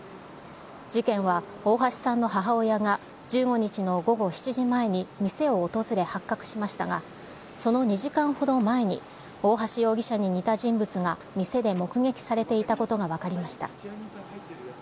事件は大橋さんの母親が１５日の午後７時前に店を訪れ、発覚しましたが、その２時間ほど前に、大橋容疑者に似た人物が店で目撃されていたことが分かりました。